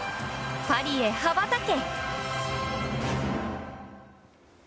パリへはばたけ！